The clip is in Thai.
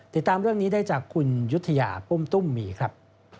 ติดตามเรื่องนี้ได้จากคุณยุธยาปุ้มตุ้มมีครับ